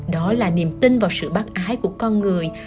đó là niềm tin vào sự bác ái của con người